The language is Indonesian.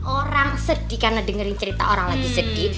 orang sedih karena dengerin cerita orang lagi sedih